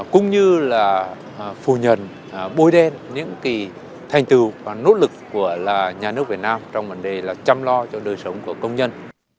cũng như là phù nhận bối đen những cái thành tựu và nỗ lực của là nhà nước việt nam trong vấn đề là chăm lo cho đời sống của công nhân